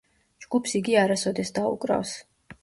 ჯგუფს იგი არასოდეს დაუკრავს.